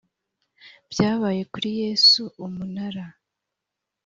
byabaye kuri Yesu Umunara